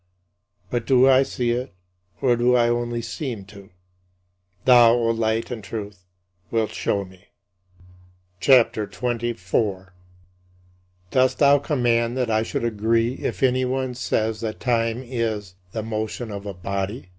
But do I see it, or do I only seem to? Thou, O Light and Truth, wilt show me. CHAPTER XXIV 31. Dost thou command that I should agree if anyone says that time is "the motion of a body"?